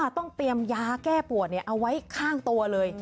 ต้องเตรียมยาแก้ปวดเอาไว้ข้างตัวเลย